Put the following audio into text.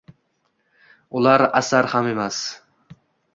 Ular asar ham emas